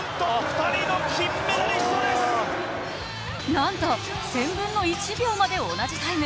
なんと１０００分の１秒まで同じタイム。